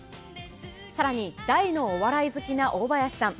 更に、大のお笑い好きな大林さん。